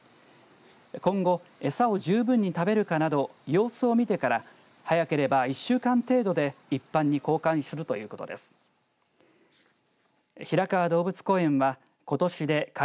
今後、餌を十分に食べるかなど様子を見てから早ければ１週間程度で一般に公開するということです。